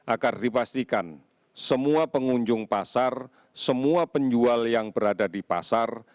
agar dipastikan semua pengunjung pasar semua penjual yang berada di pasar